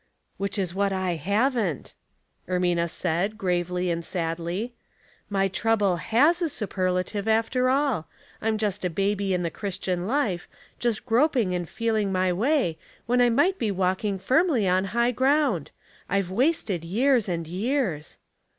" Which is what I haven't," Ermina said, gravely and sadly. " My trouble has a superla tive after all. I'm just a baby in the Christian Theology in the Kitchen, 807 life* just groping and feeling my waji, when I might be walking firmly on high ground. I've wasted years and years."